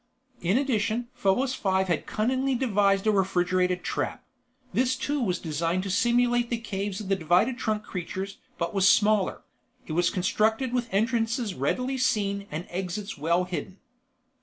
In addition, Probos Five had cunningly devised a refrigerated trap. This too was designed to simulate the caves of the divided trunk creatures but was smaller. It was constructed with entrances readily seen and exits well hidden.